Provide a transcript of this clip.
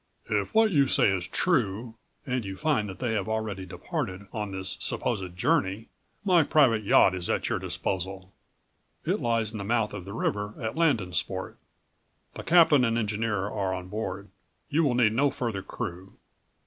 "If what you say is true, and you find that they have already departed on this supposed journey, my private yacht is at your disposal.111 It lies in the mouth of the river at Landensport. The captain and engineer are on board. You will need no further crew.